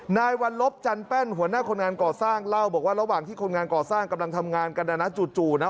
นายวันลบจันแป้นหัวหน้าคนงานก่อสร้างเล่าบอกว่าระหว่างที่คนงานก่อสร้างกำลังทำงานกันนะนะจู่นะ